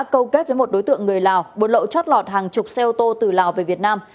câu kết với một đối tượng người lào buôn lậu chót lọt hàng chục xe ô tô từ lào về việt nam